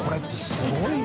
すごいな。